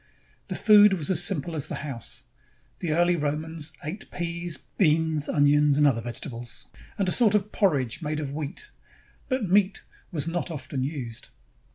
The food was as simple as the house. The early Romans ate peas, beans, onions, and other vegetables, and a sort of porridge made of wheat; but meat was not often used.